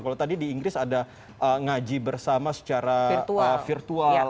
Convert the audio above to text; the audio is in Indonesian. kalau tadi di inggris ada ngaji bersama secara virtual